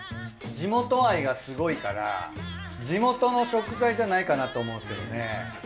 地元愛がすごいから地元の食材じゃないかなと思うんですけどね。